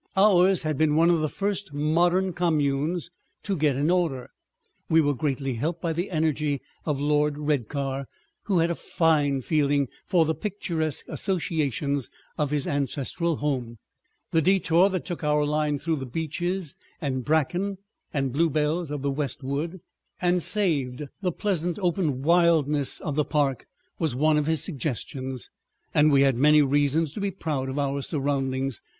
Ours had been one of the first modern communes to get in order; we were greatly helped by the energy of Lord Redcar, who had a fine feeling for the picturesque associations of his ancestral home—the detour that took our line through the beeches and bracken and bluebells of the West Wood and saved the pleasant open wildness of the park was one of his suggestions; and we had many reasons to be proud of our surroundings.